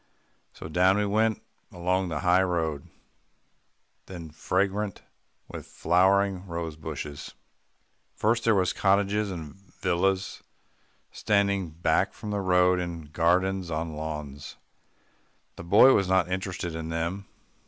So down we went along the high road, then fragrant with flowering rosebushes. First, there were cottages and villas standing back from the road in gardens and on lawns. The boy was not interested in them.